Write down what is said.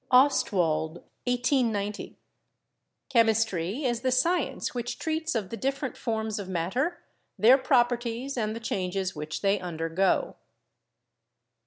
Ostwald (1890). "Chemistry is the science which treats of the different forms of matter, their proper ties, and the changes which they undergo."